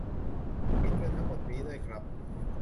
คิดเงินทั้งหมดนี้ด้วยครับ